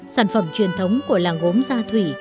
sản phẩm truyền thống của làng gốm gia thủy